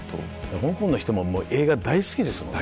香港の人も映画大好きですもんね。